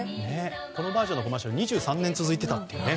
このバージョンのコマーシャル２３年続いていたという。